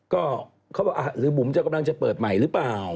ก็เขาบอกหรือบุ๋มจะกำลังจะเปิดใหม่หรือเปล่า